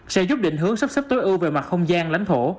sẽ giúp định hướng sắp xếp tối ưu về mặt không gian lãnh thổ